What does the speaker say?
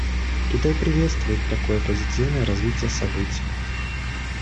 Китай приветствует такое позитивное развитие событий.